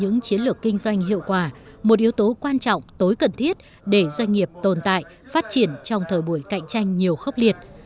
những chiến lược kinh doanh hiệu quả một yếu tố quan trọng tối cần thiết để doanh nghiệp tồn tại phát triển trong thời buổi cạnh tranh nhiều khốc liệt